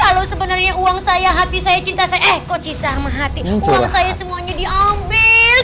kalau sebenarnya uang saya hati saya cinta saya eh kok cinta harma hati uang saya semuanya diambil